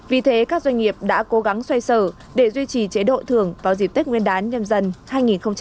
vì thế các doanh nghiệp đã cố gắng xoay sở để duy trì chế độ thưởng vào dịp tết nguyên đán nhân dân hai nghìn hai mươi hai cho người lao động